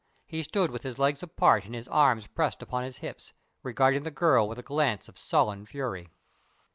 He stood with his legs spread apart and his hands pressed upon his hips, regarding the girl with a glance of sullen fury.